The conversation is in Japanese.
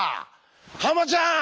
ハマちゃん！